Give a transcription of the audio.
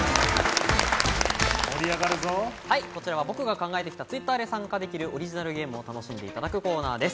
僕が考えてきたＴｗｉｔｔｅｒで参加できるオリジナルゲームを楽しんでいただくコーナーです。